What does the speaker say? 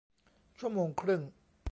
ชั่วโมงครึ่ง